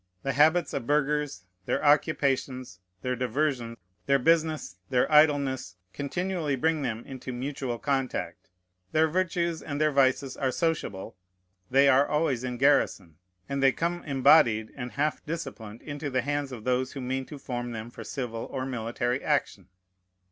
The habits of burghers, their occupations, their diversion, their business, their idleness, continually bring them into mutual contact. Their virtues and their vices are sociable; they are always in garrison; and they come embodied and half disciplined into the hands of those who mean to form them for civil or military action.